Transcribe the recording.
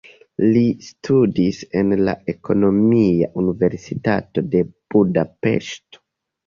Li studis en la Ekonomia Universitato de Budapeŝto.